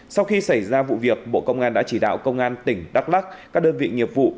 sau khi xảy ra vụ việc bộ công an đã chỉ đạo công an tỉnh đắk lắc các đơn vị nghiệp vụ